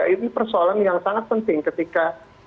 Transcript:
ini persoalan yang sangat penting ketika